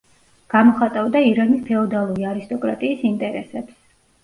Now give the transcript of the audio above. გამოხატავდა ირანის ფეოდალური არისტოკრატიის ინტერესებს.